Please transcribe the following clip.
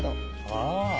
ああ！